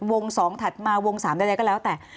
๒ถัดมาวง๓ใดก็แล้วแต่